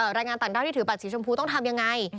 แรงงานต่างด้าวที่ถือบัตรสีชมพูต้องทำยังไง